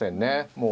もう。